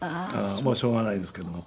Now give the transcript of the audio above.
もうしょうがないですけども。